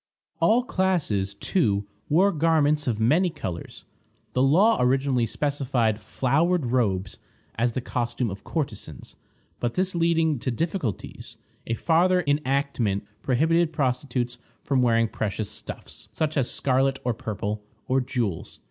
All classes, too, wore garments of many colors. The law originally specified "flowered robes" as the costume of courtesans; but this leading to difficulties, a farther enactment prohibited prostitutes from wearing precious stuffs, such as scarlet or purple, or jewels.